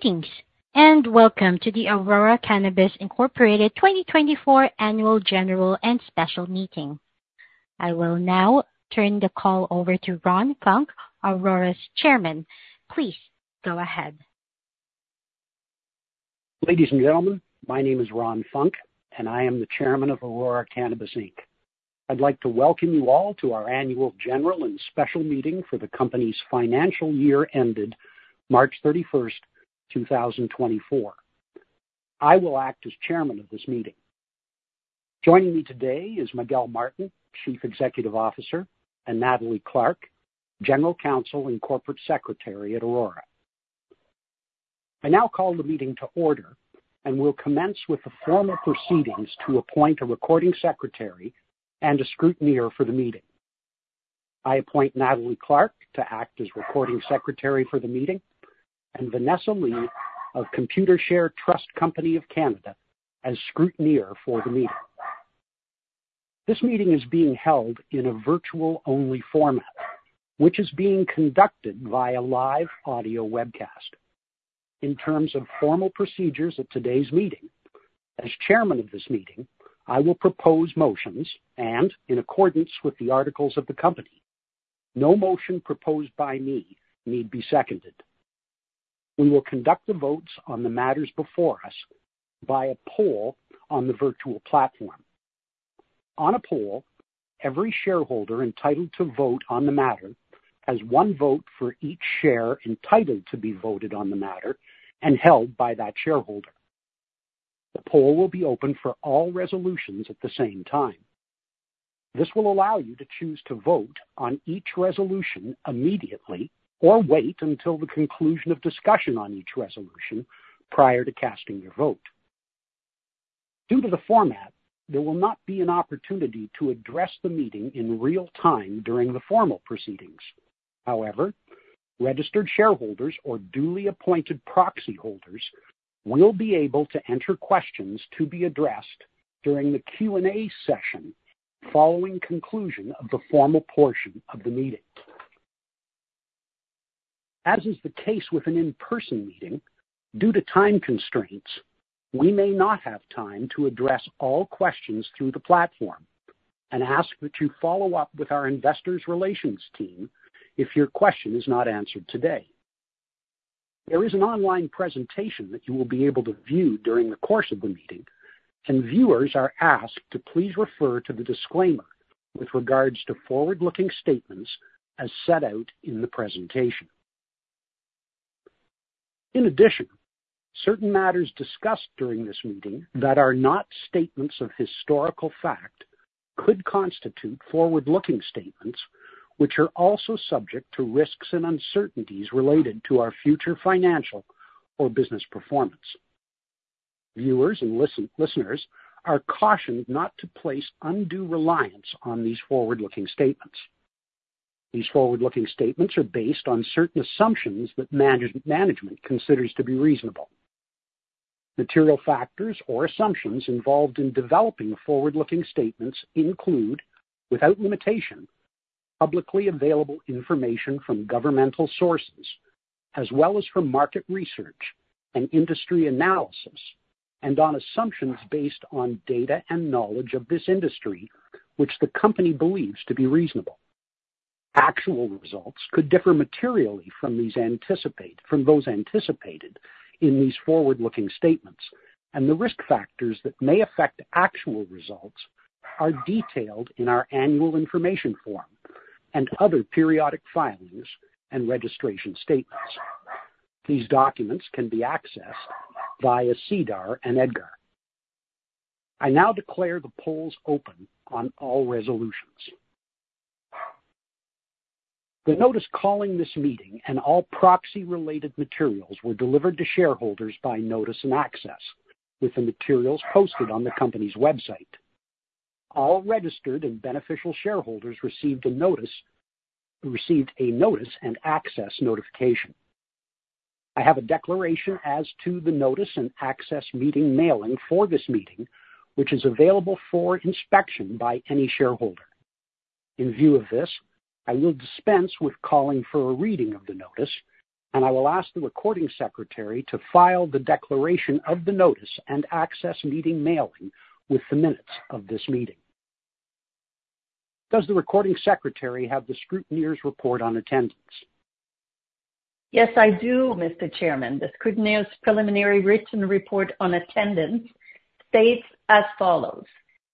Greetings, and welcome to the Aurora Cannabis Incorporated 2024 Annual General and Special Meeting. I will now turn the call over to Ron Funk, Aurora's Chairman. Please go ahead. Ladies and gentlemen, my name is Ron Funk, and I am the chairman of Aurora Cannabis Inc I'd like to welcome you all to our annual general and special meeting for the company's financial year ended March 31, 2024. I will act as chairman of this meeting. Joining me today is Miguel Martin, Chief Executive Officer, and Nathalie Clark, General Counsel and Corporate Secretary at Aurora. I now call the meeting to order and will commence with the formal proceedings to appoint a recording secretary and a scrutineer for the meeting. I appoint Nathalie Clark to act as Recording Secretary for the meeting and Vanessa Lee of Computershare Trust Company of Canada as Scrutineer for the meeting. This meeting is being held in a virtual-only format, which is being conducted via live audio webcast. In terms of formal procedures at today's meeting, as chairman of this meeting, I will propose motions and in accordance with the articles of the company, no motion proposed by me need be seconded. We will conduct the votes on the matters before us by a poll on the virtual platform. On a poll, every shareholder entitled to vote on the matter has one vote for each share, entitled to be voted on the matter and held by that shareholder. The poll will be open for all resolutions at the same time. This will allow you to choose to vote on each resolution immediately or wait until the conclusion of discussion on each resolution prior to casting your vote. Due to the format, there will not be an opportunity to address the meeting in real time during the formal proceedings. However, registered shareholders or duly appointed proxy holders will be able to enter questions to be addressed during the Q&A session following conclusion of the formal portion of the meeting. As is the case with an in-person meeting, due to time constraints, we may not have time to address all questions through the platform and ask that you follow up with our investor relations team if your question is not answered today. There is an online presentation that you will be able to view during the course of the meeting, and viewers are asked to please refer to the disclaimer with regards to forward-looking statements as set out in the presentation. In addition, certain matters discussed during this meeting that are not statements of historical fact could constitute forward-looking statements, which are also subject to risks and uncertainties related to our future financial or business performance. Viewers and listeners are cautioned not to place undue reliance on these forward-looking statements. These forward-looking statements are based on certain assumptions that management considers to be reasonable. Material factors or assumptions involved in developing the forward-looking statements include, without limitation, publicly available information from governmental sources, as well as from market research and industry analysis, and on assumptions based on data and knowledge of this industry, which the company believes to be reasonable. Actual results could differ materially from those anticipated in these forward-looking statements, and the risk factors that may affect actual results are detailed in our Annual Information Form and other periodic filings and registration statements. These documents can be accessed via SEDAR and EDGAR. I now declare the polls open on all resolutions. The notice calling this meeting and all proxy-related materials were delivered to shareholders by Notice and Access, with the materials posted on the company's website. All registered and beneficial shareholders received a Notice and Access notification. I have a declaration as to the Notice and Access Meeting mailing for this meeting, which is available for inspection by any shareholder. In view of this, I will dispense with calling for a reading of the notice, and I will ask the recording secretary to file the declaration of the Notice and Access Meeting mailing with the minutes of this meeting. Does the Recording Secretary have the scrutineer's report on attendance? Yes, I do, Mr. Chairman. The scrutineer's preliminary written report on attendance states as follows: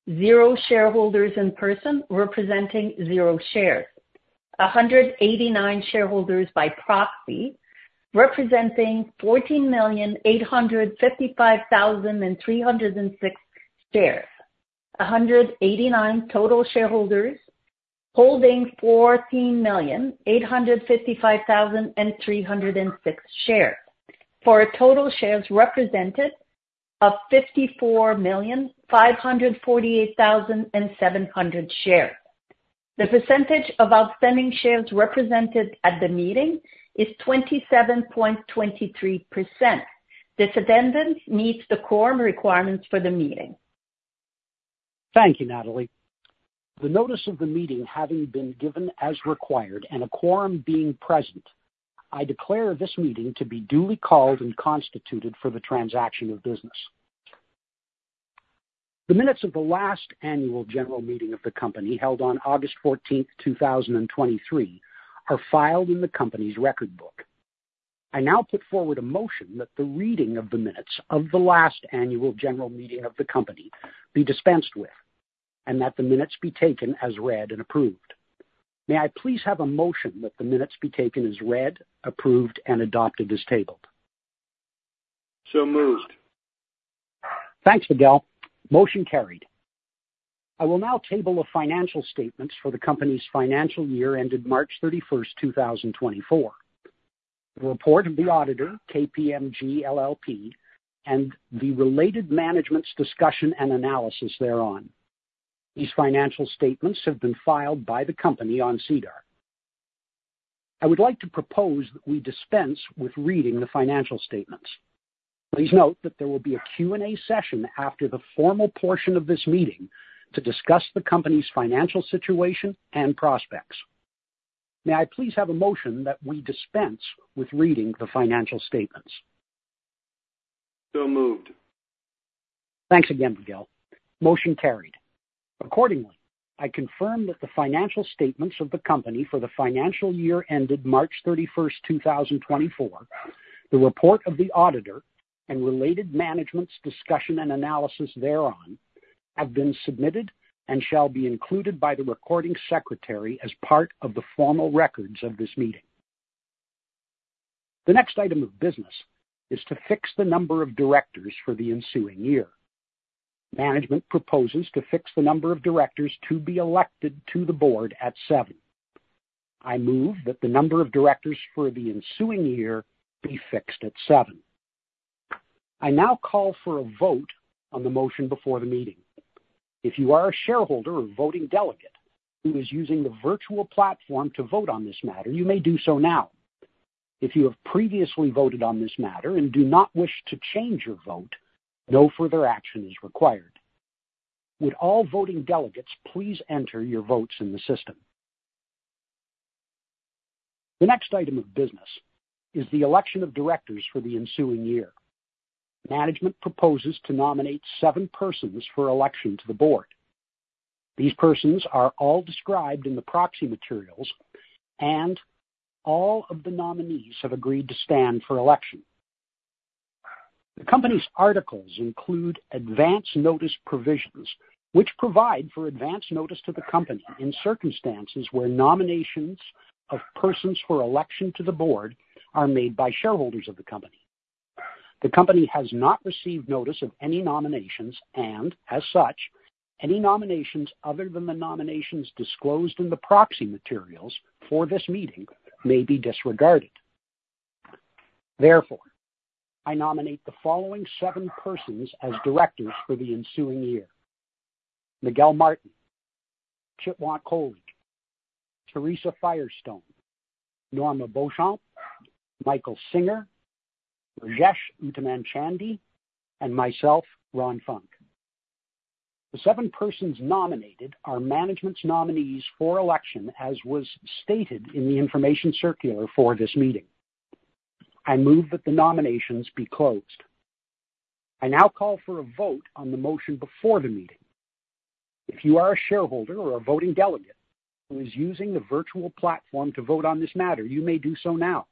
0 shareholders in person representing 0 shares. 189 shareholders by proxy, representing 14,855,306 shares. 189 total shareholders holding 14,855,306 shares for a total shares represented of 54,548,700 shares. The percentage of outstanding shares represented at the meeting is 27.23%. This attendance meets the quorum requirements for the meeting. Thank you, Nathalie. The notice of the meeting having been given as required and a quorum being present, I declare this meeting to be duly called and constituted for the transaction of business. The minutes of the last annual general meeting of the company, held on August 14, 2023, are filed in the company's record book. I now put forward a motion that the reading of the minutes of the last annual general meeting of the company be dispensed with, and that the minutes be taken as read and approved. May I please have a motion that the minutes be taken as read, approved, and adopted as tabled? So moved. Thanks, Miguel. Motion carried. I will now table the financial statements for the company's financial year ended March 31st, two thousand and twenty-four. The report of the auditor, KPMG LLP, and the related Management's Discussion and Analysis thereon. These financial statements have been filed by the company on SEDAR. I would like to propose that we dispense with reading the financial statements. Please note that there will be a Q&A session after the formal portion of this meeting to discuss the company's financial situation and prospects. May I please have a motion that we dispense with reading the financial statements? So moved. Thanks again, Miguel. Motion carried. Accordingly, I confirm that the financial statements of the company for the financial year ended March 31st, 2024, the report of the auditor, and related Management's Discussion and Analysis thereon, have been submitted and shall be included by the recording secretary as part of the formal records of this meeting. The next item of business is to fix the number of directors for the ensuing year. Management proposes to fix the number of directors to be elected to the board at seven. I move that the number of directors for the ensuing year be fixed at seven. I now call for a vote on the motion before the meeting. If you are a shareholder or voting delegate who is using the virtual platform to vote on this matter, you may do so now. If you have previously voted on this matter and do not wish to change your vote, no further action is required. Would all voting delegates please enter your votes in the system? The next item of business is the election of directors for the ensuing year. Management proposes to nominate seven persons for election to the board. These persons are all described in the proxy materials, and all of the nominees have agreed to stand for election. The company's articles include advance notice provisions, which provide for advance notice to the company in circumstances where nominations of persons for election to the board are made by shareholders of the company. The company has not received notice of any nominations, and as such, any nominations other than the nominations disclosed in the proxy materials for this meeting may be disregarded. Therefore, I nominate the following seven persons as directors for the ensuing year: Miguel Martin, Chitwant Kohli, Theresa Firestone, Norma Beauchamp, Michael Singer, Rajesh Uttamchandani, and myself, Ron Funk. The seven persons nominated are management's nominees for election, as was stated in the information circular for this meeting. I move that the nominations be closed. I now call for a vote on the motion before the meeting. If you are a shareholder or a voting delegate who is using the virtual platform to vote on this matter, you may do so now.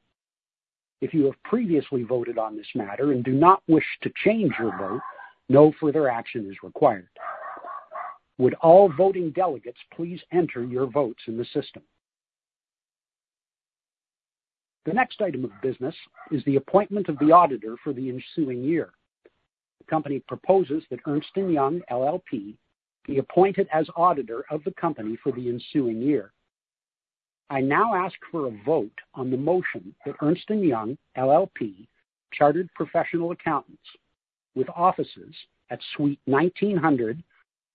If you have previously voted on this matter and do not wish to change your vote, no further action is required. Would all voting delegates please enter your votes in the system? The next item of business is the appointment of the auditor for the ensuing year. The company proposes that Ernst & Young LLP be appointed as auditor of the company for the ensuing year. I now ask for a vote on the motion that Ernst & Young LLP, chartered professional accountants, with offices at Suite 1900,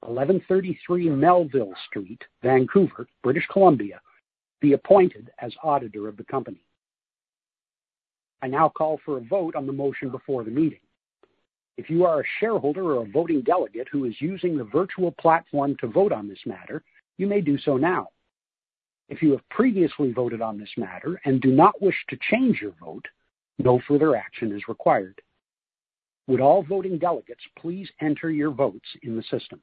1133 Melville Street, Vancouver, British Columbia, be appointed as auditor of the company. I now call for a vote on the motion before the meeting. If you are a shareholder or a voting delegate who is using the virtual platform to vote on this matter, you may do so now. If you have previously voted on this matter and do not wish to change your vote, no further action is required. Would all voting delegates please enter your votes in the system.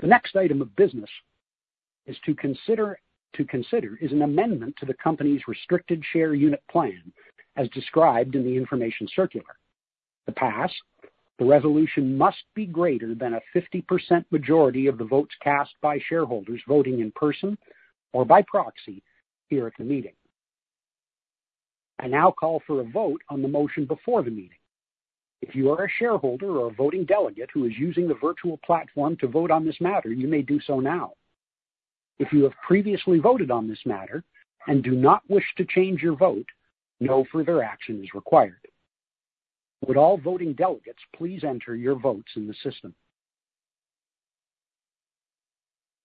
The next item of business is to consider an amendment to the company's Restricted Share Unit Plan, as described in the information circular. To pass, the resolution must be greater than a 50% majority of the votes cast by shareholders voting in person or by proxy here at the meeting. I now call for a vote on the motion before the meeting. If you are a shareholder or a voting delegate who is using the virtual platform to vote on this matter, you may do so now. If you have previously voted on this matter and do not wish to change your vote, no further action is required. Would all voting delegates please enter your votes in the system.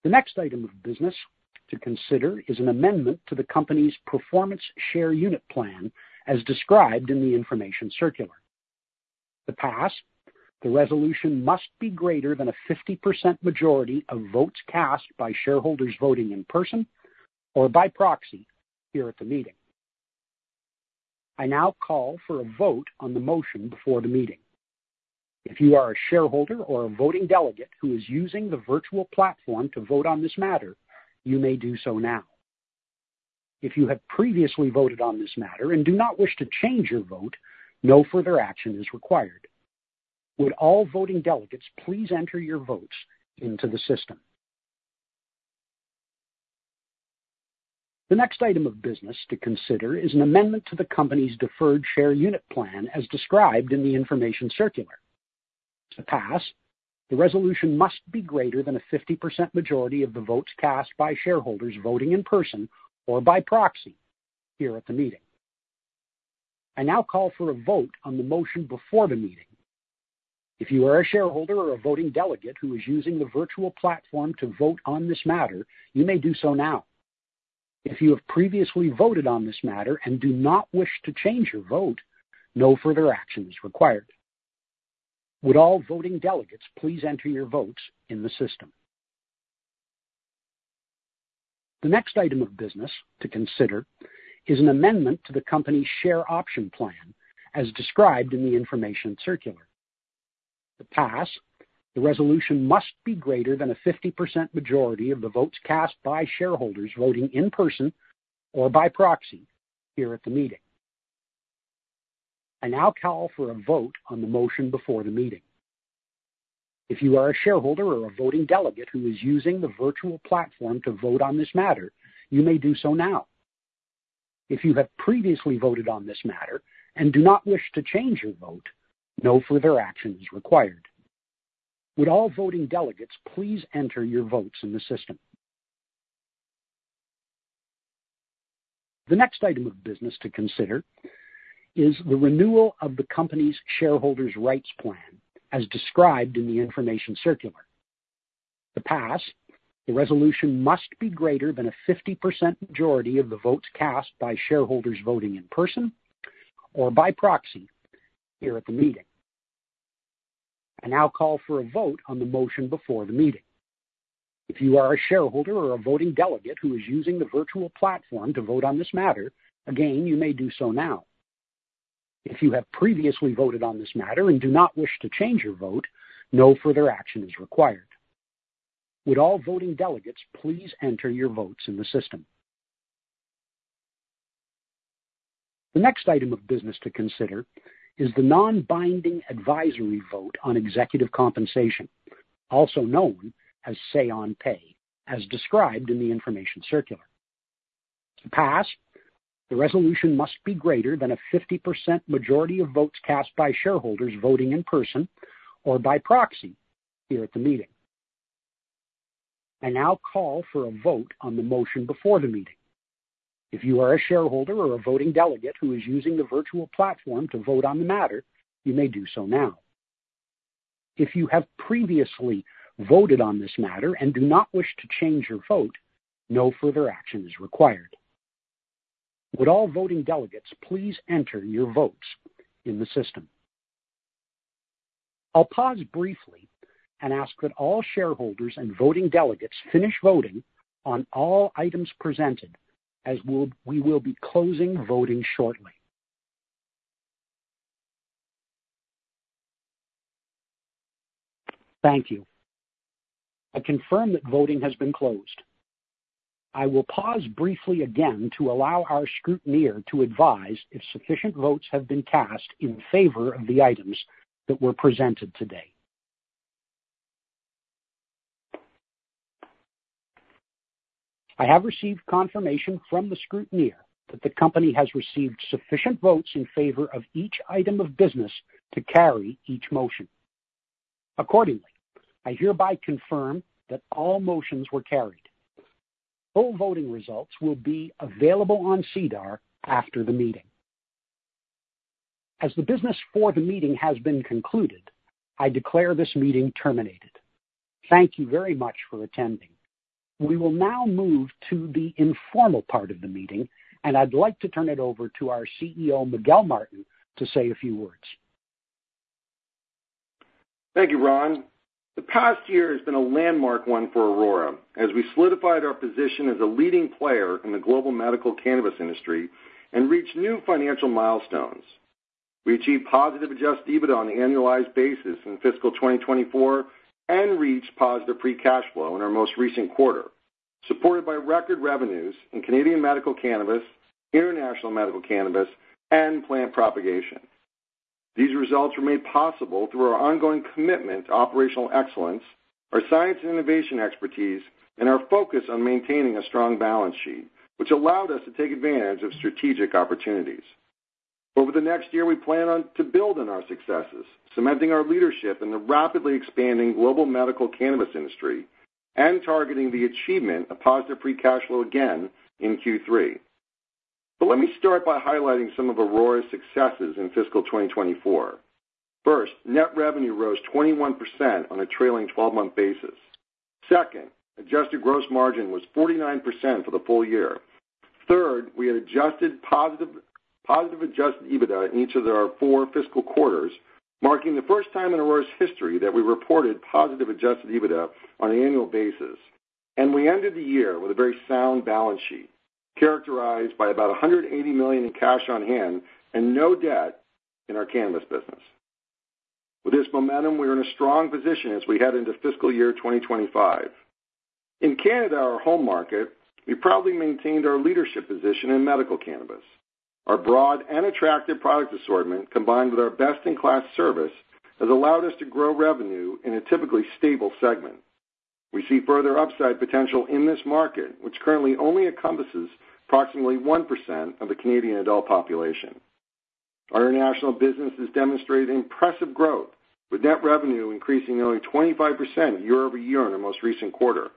The next item of business to consider is an amendment to the company's Performance Share Unit Plan, as described in the information circular. To pass, the resolution must be greater than a 50% majority of votes cast by shareholders voting in person or by proxy here at the meeting. I now call for a vote on the motion before the meeting. If you are a shareholder or a voting delegate who is using the virtual platform to vote on this matter, you may do so now. If you have previously voted on this matter and do not wish to change your vote, no further action is required. Would all voting delegates please enter your votes into the system. The next item of business to consider is an amendment to the company's Deferred Share Unit Plan, as described in the information circular. To pass, the resolution must be greater than a 50% majority of the votes cast by shareholders voting in person or by proxy here at the meeting. I now call for a vote on the motion before the meeting. If you are a shareholder or a voting delegate who is using the virtual platform to vote on this matter, you may do so now. If you have previously voted on this matter and do not wish to change your vote, no further action is required. Would all voting delegates please enter your votes in the system. The next item of business to consider is an amendment to the company's Share Option Plan, as described in the information circular. To pass, the resolution must be greater than a 50% majority of the votes cast by shareholders voting in person or by proxy here at the meeting. I now call for a vote on the motion before the meeting. If you are a shareholder or a voting delegate who is using the virtual platform to vote on this matter, you may do so now. If you have previously voted on this matter and do not wish to change your vote, no further action is required. Would all voting delegates please enter your votes in the system. The next item of business to consider is the renewal of the company's Shareholders Rights Plan, as described in the information circular. To pass, the resolution must be greater than a 50% majority of the votes cast by shareholders voting in person or by proxy here at the meeting. I now call for a vote on the motion before the meeting. If you are a shareholder or a voting delegate who is using the virtual platform to vote on this matter, again, you may do so now. If you have previously voted on this matter and do not wish to change your vote, no further action is required. Would all voting delegates please enter your votes in the system. The next item of business to consider is the non-binding advisory vote on executive compensation, also known as Say on Pay, as described in the information circular. To pass, the resolution must be greater than a 50% majority of votes cast by shareholders voting in person or by proxy here at the meeting. I now call for a vote on the motion before the meeting. If you are a shareholder or a voting delegate who is using the virtual platform to vote on the matter, you may do so now. If you have previously voted on this matter and do not wish to change your vote, no further action is required. Would all voting delegates please enter your votes in the system. I'll pause briefly and ask that all shareholders and voting delegates finish voting on all items presented, as we will be closing voting shortly. Thank you. I confirm that voting has been closed. I will pause briefly again to allow our scrutineer to advise if sufficient votes have been cast in favor of the items that were presented today. I have received confirmation from the scrutineer that the company has received sufficient votes in favor of each item of business to carry each motion. Accordingly, I hereby confirm that all motions were carried. Full voting results will be available on SEDAR after the meeting. As the business for the meeting has been concluded, I declare this meeting terminated. Thank you very much for attending. We will now move to the informal part of the meeting, and I'd like to turn it over to our CEO, Miguel Martin, to say a few words. Thank you, Ron. The past year has been a landmark one for Aurora as we solidified our position as a leading player in the global medical cannabis industry and reached new financial milestones. We achieved positive Adjusted EBITDA on an annualized basis in fiscal 2024 and reached positive free cash flow in our most recent quarter, supported by record revenues in Canadian medical cannabis, international medical cannabis, and plant propagation. These results were made possible through our ongoing commitment to operational excellence, our science and innovation expertise, and our focus on maintaining a strong balance sheet, which allowed us to take advantage of strategic opportunities. Over the next year, we plan to build on our successes, cementing our leadership in the rapidly expanding global medical cannabis industry and targeting the achievement of positive free cash flow again in Q3. Let me start by highlighting some of Aurora's successes in fiscal 2024. First, net revenue rose 21% on a trailing 12-month basis. Second, adjusted gross margin was 49% for the full year. Third, we had adjusted positive, positive adjusted EBITDA in each of our four fiscal quarters, marking the first time in Aurora's history that we reported positive adjusted EBITDA on an annual basis. And we ended the year with a very sound balance sheet, characterized by about 180 million in cash on hand and no debt in our cannabis business. With this momentum, we are in a strong position as we head into fiscal year 2025. In Canada, our home market, we proudly maintained our leadership position in medical cannabis. Our broad and attractive product assortment, combined with our best-in-class service, has allowed us to grow revenue in a typically stable segment. We see further upside potential in this market, which currently only encompasses approximately 1% of the Canadian adult population. Our international business has demonstrated impressive growth, with net revenue increasing nearly 25% year-over-year on our most recent quarter.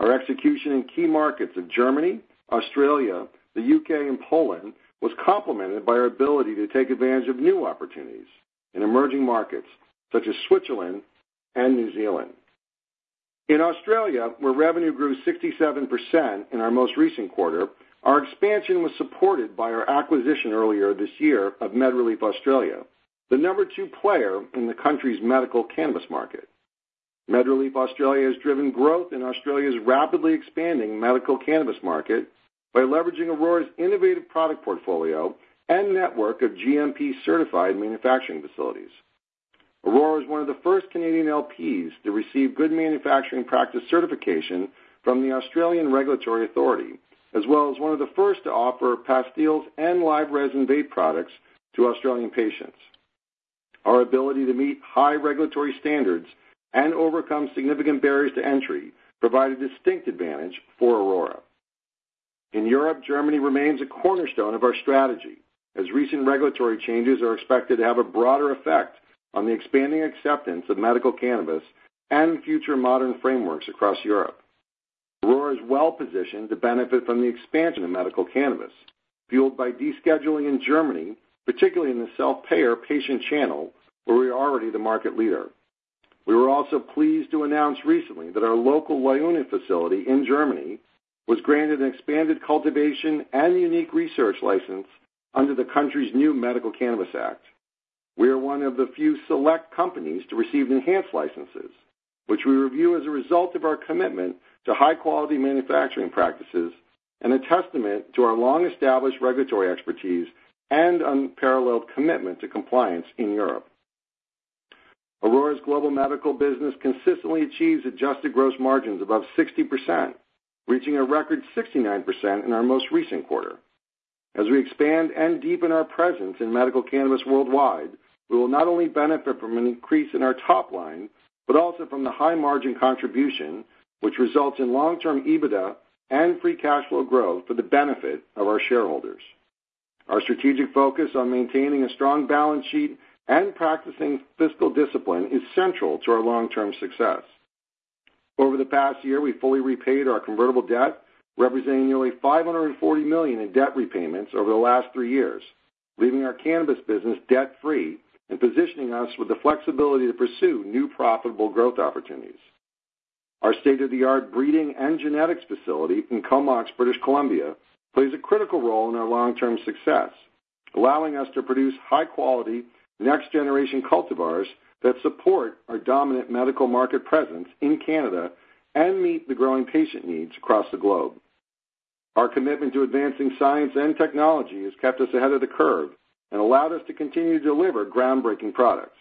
Our execution in key markets of Germany, Australia, the UK, and Poland was complemented by our ability to take advantage of new opportunities in emerging markets such as Switzerland and New Zealand. In Australia, where revenue grew 67% in our most recent quarter, our expansion was supported by our acquisition earlier this year of MedReleaf Australia, the number two player in the country's medical cannabis market. MedReleaf Australia has driven growth in Australia's rapidly expanding medical cannabis market by leveraging Aurora's innovative product portfolio and network of GMP-certified manufacturing facilities. Aurora is one of the first Canadian LPs to receive Good Manufacturing Practice certification from the Australian Regulatory Authority, as well as one of the first to offer pastilles and live resin vape products to Australian patients. Our ability to meet high regulatory standards and overcome significant barriers to entry provide a distinct advantage for Aurora. In Europe, Germany remains a cornerstone of our strategy, as recent regulatory changes are expected to have a broader effect on the expanding acceptance of medical cannabis and future modern frameworks across Europe. Aurora is well positioned to benefit from the expansion of medical cannabis, fueled by descheduling in Germany, particularly in the self-payer patient channel, where we are already the market leader. We were also pleased to announce recently that our local Leuna facility in Germany was granted an expanded cultivation and unique research license under the country's new Medical Cannabis Act. We are one of the few select companies to receive enhanced licenses, which we review as a result of our commitment to high-quality manufacturing practices and a testament to our long-established regulatory expertise and unparalleled commitment to compliance in Europe. Aurora's global medical business consistently achieves adjusted gross margins above 60%, reaching a record 69% in our most recent quarter. As we expand and deepen our presence in medical cannabis worldwide, we will not only benefit from an increase in our top line, but also from the high margin contribution, which results in long-term EBITDA and free cash flow growth for the benefit of our shareholders. Our strategic focus on maintaining a strong balance sheet and practicing fiscal discipline is central to our long-term success. Over the past year, we fully repaid our convertible debt, representing nearly 540 million in debt repayments over the last three years, leaving our cannabis business debt-free and positioning us with the flexibility to pursue new profitable growth opportunities. Our state-of-the-art breeding and genetics facility in Comox, British Columbia, plays a critical role in our long-term success, allowing us to produce high-quality, next-generation cultivars that support our dominant medical market presence in Canada and meet the growing patient needs across the globe. Our commitment to advancing science and technology has kept us ahead of the curve and allowed us to continue to deliver groundbreaking products.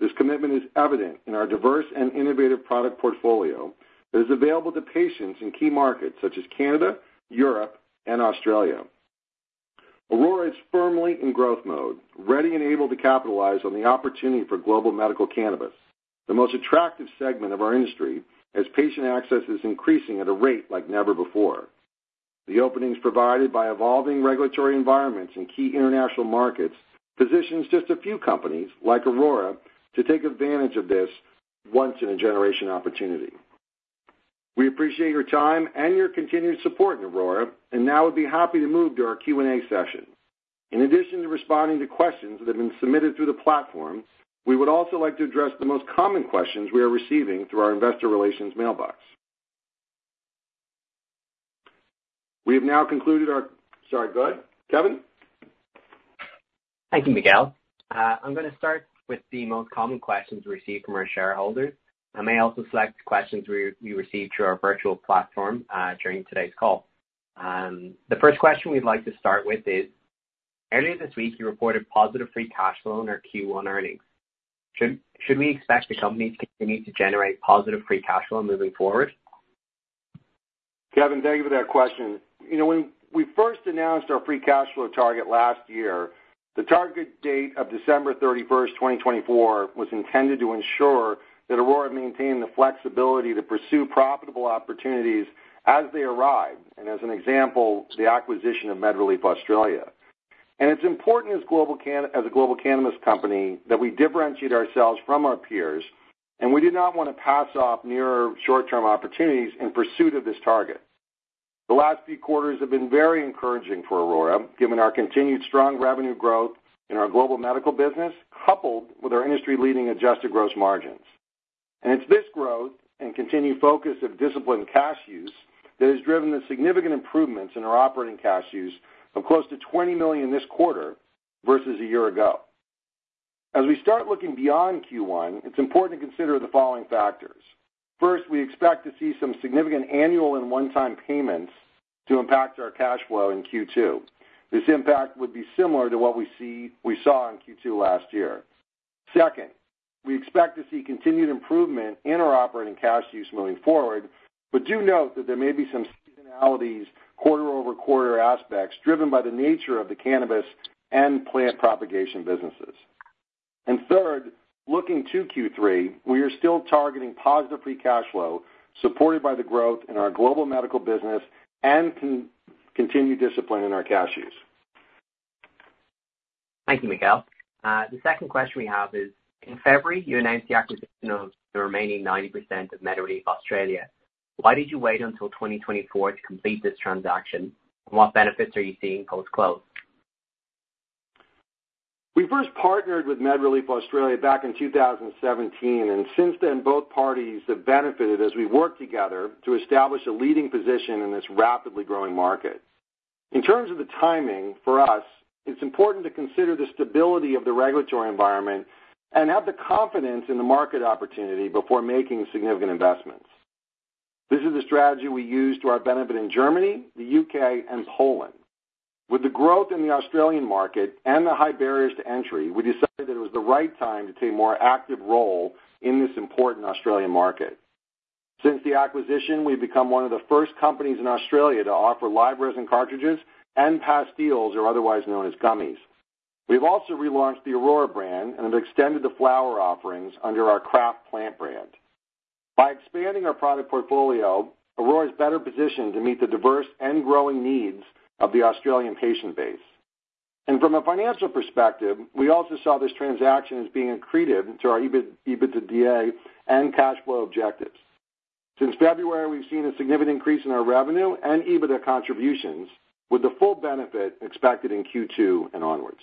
This commitment is evident in our diverse and innovative product portfolio that is available to patients in key markets such as Canada, Europe, and Australia. Aurora is firmly in growth mode, ready and able to capitalize on the opportunity for global medical cannabis, the most attractive segment of our industry, as patient access is increasing at a rate like never before. The openings provided by evolving regulatory environments in key international markets positions just a few companies, like Aurora, to take advantage of this once-in-a-generation opportunity. We appreciate your time and your continued support in Aurora, and now would be happy to move to our Q&A session. In addition to responding to questions that have been submitted through the platform, we would also like to address the most common questions we are receiving through our investor relations mailbox. We have now concluded our-- sorry, go ahead, Kevin. Thank you, Miguel. I'm gonna start with the most common questions received from our shareholders. I may also select questions we received through our virtual platform during today's call. The first question we'd like to start with is: earlier this week, you reported positive free cash flow in our Q1 earnings. Should we expect the company to continue to generate positive free cash flow moving forward? Kevin, thank you for that question. You know, when we first announced our free cash flow target last year, the target date of December 31, 2024, was intended to ensure that Aurora maintained the flexibility to pursue profitable opportunities as they arrived, and as an example, the acquisition of MedReleaf Australia. It's important as a global cannabis company, that we differentiate ourselves from our peers, and we do not want to pass off nearer short-term opportunities in pursuit of this target. The last few quarters have been very encouraging for Aurora, given our continued strong revenue growth in our global medical business, coupled with our industry-leading adjusted gross margins. And it's this growth and continued focus of disciplined cash use that has driven the significant improvements in our operating cash use of close to 20 million this quarter versus a year ago. As we start looking beyond Q1, it's important to consider the following factors: first, we expect to see some significant annual and one-time payments to impact our cash flow in Q2. This impact would be similar to what we saw in Q2 last year. Second, we expect to see continued improvement in our operating cash use moving forward, but do note that there may be some seasonalities, quarter-over-quarter aspects, driven by the nature of the cannabis and plant propagation businesses. And third, looking to Q3, we are still targeting positive free cash flow, supported by the growth in our global medical business and continued discipline in our cash use. Thank you, Miguel. The second question we have is, in February, you announced the acquisition of the remaining 90% of MedReleaf Australia. Why did you wait until 2024 to complete this transaction, and what benefits are you seeing post-close? We first partnered with MedReleaf Australia back in 2017, and since then, both parties have benefited as we worked together to establish a leading position in this rapidly growing market. In terms of the timing, for us, it's important to consider the stability of the regulatory environment and have the confidence in the market opportunity before making significant investments. This is a strategy we use to our benefit in Germany, the U.K., and Poland. With the growth in the Australian market and the high barriers to entry, we decided that it was the right time to take a more active role in this important Australian market. Since the acquisition, we've become one of the first companies in Australia to offer live resin cartridges and pastilles, or otherwise known as gummies. We've also relaunched the Aurora brand and have extended the flower offerings under our CraftPlant brand. By expanding our product portfolio, Aurora is better positioned to meet the diverse and growing needs of the Australian patient base. From a financial perspective, we also saw this transaction as being accretive to our EBIT, EBITDA, and cash flow objectives. Since February, we've seen a significant increase in our revenue and EBITDA contributions, with the full benefit expected in Q2 and onwards.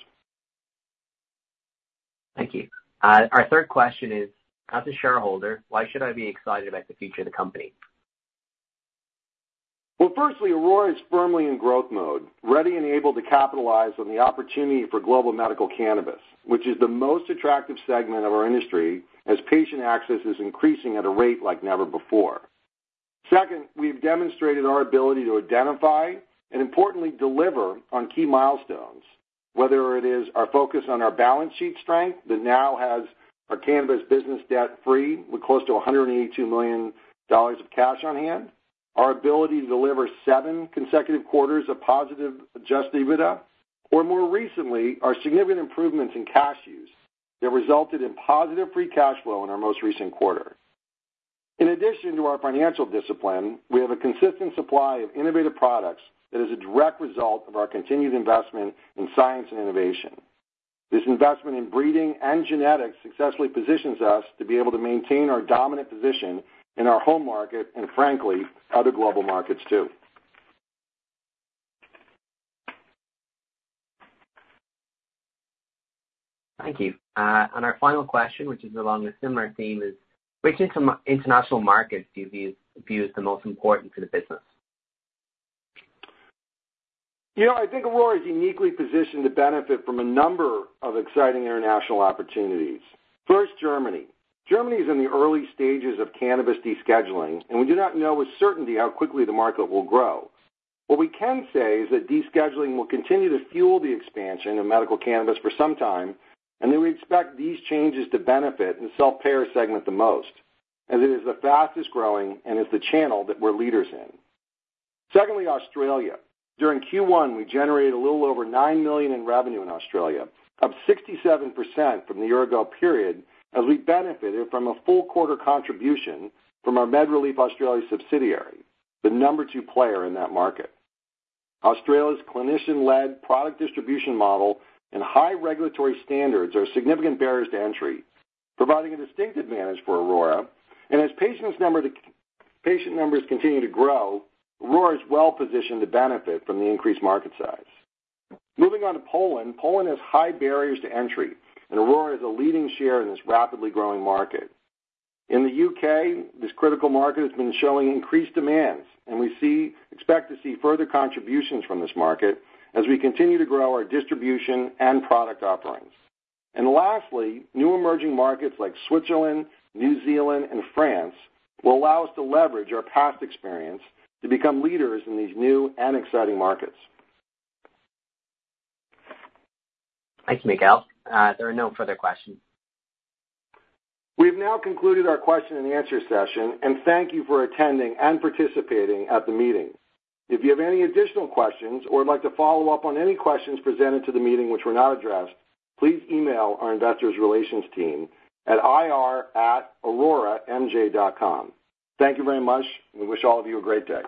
Thank you. Our third question is, as a shareholder, why should I be excited about the future of the company? Well, firstly, Aurora is firmly in growth mode, ready and able to capitalize on the opportunity for global medical cannabis, which is the most attractive segment of our industry, as patient access is increasing at a rate like never before. Second, we've demonstrated our ability to identify and importantly, deliver on key milestones, whether it is our focus on our balance sheet strength, that now has our cannabis business debt-free, with close to 182 million dollars of cash on hand, our ability to deliver seven consecutive quarters of positive Adjusted EBITDA, or more recently, our significant improvements in cash use that resulted in positive Free Cash Flow in our most recent quarter. In addition to our financial discipline, we have a consistent supply of innovative products that is a direct result of our continued investment in science and innovation. This investment in breeding and genetics successfully positions us to be able to maintain our dominant position in our home market and frankly, other global markets, too. Thank you. Our final question, which is along a similar theme, is which international markets do you view as the most important to the business? You know, I think Aurora is uniquely positioned to benefit from a number of exciting international opportunities. First, Germany. Germany is in the early stages of cannabis descheduling, and we do not know with certainty how quickly the market will grow. What we can say is that descheduling will continue to fuel the expansion of medical cannabis for some time, and that we expect these changes to benefit the self-payer segment the most, as it is the fastest-growing and is the channel that we're leaders in. Secondly, Australia. During Q1, we generated a little over 9 million in revenue in Australia, up 67% from the year-ago period, as we benefited from a full quarter contribution from our MedReleaf Australia subsidiary, the number two player in that market. Australia's clinician-led product distribution model and high regulatory standards are significant barriers to entry, providing a distinct advantage for Aurora, and as patient numbers continue to grow, Aurora is well positioned to benefit from the increased market size. Moving on to Poland. Poland has high barriers to entry, and Aurora is a leading share in this rapidly growing market. In the U.K., this critical market has been showing increased demands, and we expect to see further contributions from this market as we continue to grow our distribution and product offerings. Lastly, new emerging markets like Switzerland, New Zealand, and France will allow us to leverage our past experience to become leaders in these new and exciting markets. Thanks, Miguel. There are no further questions. We've now concluded our question and answer session, and thank you for attending and participating at the meeting. If you have any additional questions or would like to follow up on any questions presented to the meeting which were not addressed, please email our investor relations team at ir@auroramj.com. Thank you very much, and we wish all of you a great day.